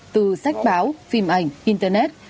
từ sách báo phim ảnh internet